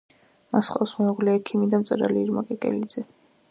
მას ჰყავს მეუღლე ექიმი და მწერალი ირმა კეკელიძე.